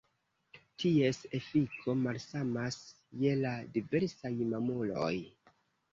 Ties efiko malsamas je la diversaj mamuloj.